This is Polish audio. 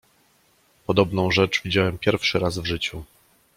"Podobną rzecz widziałem pierwszy raz w życiu!"